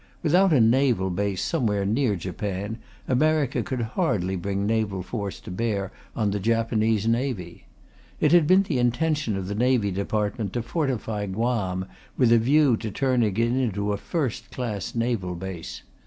Without a naval base somewhere near Japan, America could hardly bring naval force to bear on the Japanese Navy. It had been the intention of the Navy Department to fortify Guam with a view to turning it into a first class naval base.